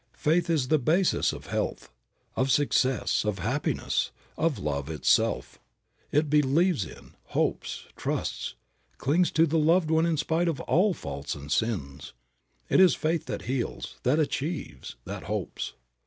Faith is the basis of health, of success, of happiness, of love itself. It believes in, hopes, trusts, clings to the loved one in spite of all faults and sins. It is faith that heals, that achieves, that hopes.